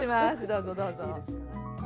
どうぞどうぞ。